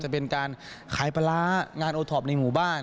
จะเป็นการขายปลาร้างานโอท็อปในหมู่บ้าน